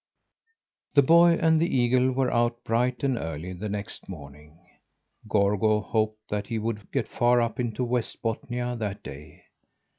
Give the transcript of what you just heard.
The boy and the eagle were out bright and early the next morning. Gorgo hoped that he would get far up into West Bothnia that day.